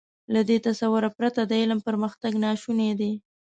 له دې تصور پرته د علم پرمختګ ناشونی دی.